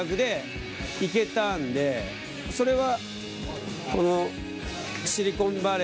それは。